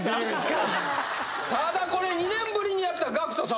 ただこれ２年ぶりにやったＧＡＣＫＴ様